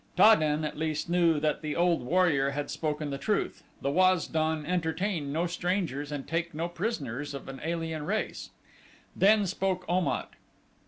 Ta den, at least, knew that the old warrior had spoken the truth the Waz don entertain no strangers and take no prisoners of an alien race. Then spoke Om at.